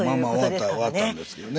終わったんですけどね。